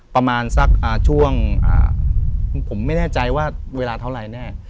ประมาณสักช่วงผมไม่แน่ใจว่าเวลาเท่าไรแน่